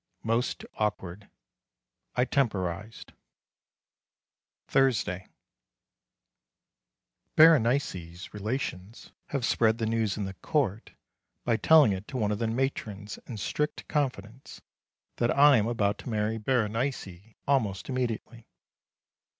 Most awkward. I temporised. Thursday. Berenice's relations have spread the news in the Court, by telling it to one of the matrons in strict confidence, that I am about to marry Berenice almost immediately.